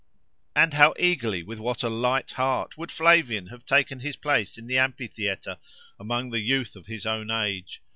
And how eagerly, with what a light heart, would Flavian have taken his place in the amphitheatre, among the youth of his own age!